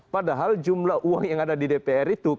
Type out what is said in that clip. padahal jumlah uang yang ada di dpr itu